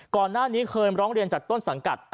ก่อนหน้านี้เคยร้องเรียนจากต้นสังกัด